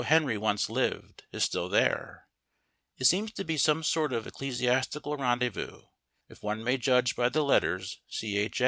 Henry once lived, is still there: it seems to be some sort of ecclesiastical rendezvous, if one may judge by the letters C.H.